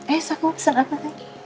eh so kamu pesen apa lagi